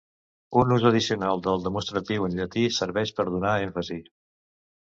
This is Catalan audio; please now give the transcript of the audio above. Un ús addicional del demostratiu en llatí serveix per donar èmfasi.